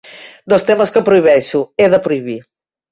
Dos temes que prohibeixo, he de prohibir.